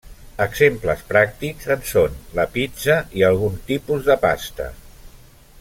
Exemples pràctics en són la pizza i algun tipus de pasta.